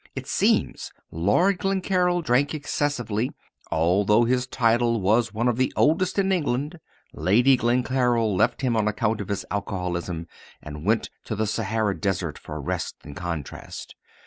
It seems Lord Glencaryll drank excessively, although his title was one of the oldest in England. Lady Glencaryll left him on account of his alcoholism and went to the Sahara desert for rest and contrast.